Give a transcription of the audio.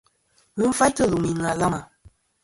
Ghɨ faytɨ lùmì nɨ̀ àlamà.